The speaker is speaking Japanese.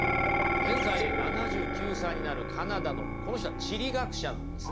現在７９歳になるカナダのこの人は地理学者なんですね。